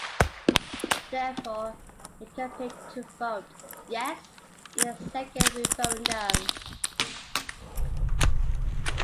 Therefore, it campaigned to vote "yes" in the second referendum.